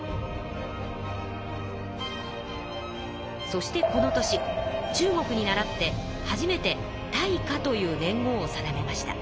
そしてこの年中国にならって初めて大化という年号を定めました。